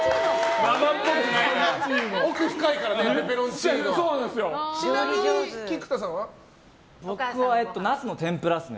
奥深いからね